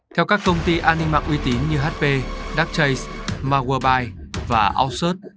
theo các công ty an ninh mạng uy tín như hp darkchase marwebite và outsource